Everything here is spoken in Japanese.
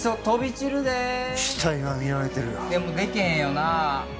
飛び散るで死体は見慣れてるよでもでけへんよなあ